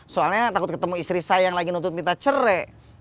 soalnya takut ketemu istri saya yang lagi nuntut minta cerai